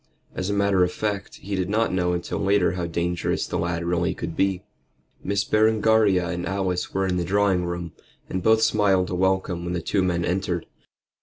As a matter of fact, he did not know until later how dangerous the lad really could be. Miss Berengaria and Alice were in the drawing room, and both smiled a welcome when the two men entered.